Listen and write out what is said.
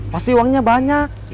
pasti uangnya banyak